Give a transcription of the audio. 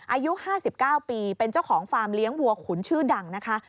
อายุ๕๙ปีเป็นเจ้าของฟาร์มเลี้ยงวัวขุนชื่อดังนะคะ